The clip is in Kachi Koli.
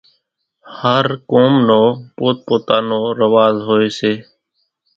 هر قوم نو پوت پوتا نو رواز هوئيَ سي۔